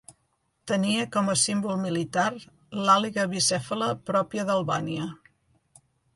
Tenia com a símbol militar l'àliga bicèfala pròpia d'Albània.